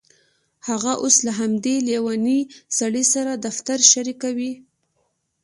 هغه اوس له همدې لیونۍ سړي سره دفتر شریکوي